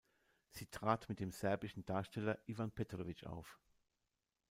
Sie trat mit dem serbischen Darsteller Iván Petrovich auf.